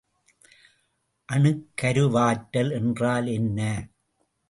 அணுக்கருவாற்றல் என்றால் என்ன?